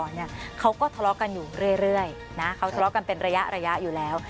เนี่ยเขาก็ทะเลาะกันอยู่เรื่อยนะเขาทะเลาะกันเป็นระยะระยะอยู่แล้ว